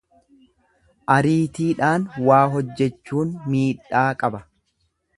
Ariitiidhaan waa hojjechuun miidhaa qaba.